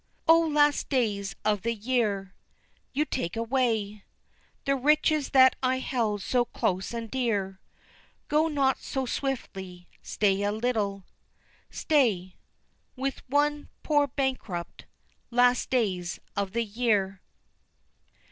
"O last days of the year! You take away The riches that I held so close and dear, Go not so swiftly, stay a little stay With one poor bankrupt, Last days of the year!"